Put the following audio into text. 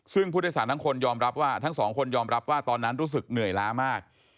ซึ่งพุทธศาสตร์ทั้งสองคนยอมรับว่าตอนนั้นรู้สึกเหนื่อยล้ามาก